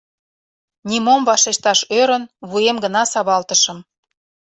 Нимом вашешташ ӧрын, вуем гына савалтышым.